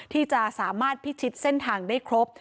ที่จะสามารถพิชิตเส้นทางได้ครบ